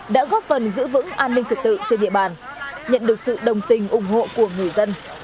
đã góp phần giữ vững an ninh trật tự trên địa bàn nhận được sự đồng tình ủng hộ của người dân